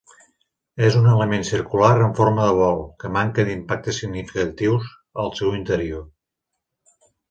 És un element circular amb forma de bol, que manca d'impactes significatius al seu interior.